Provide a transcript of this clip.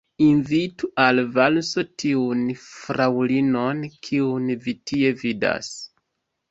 Invitu al valso tiun fraŭlinon, kiun vi tie vidas.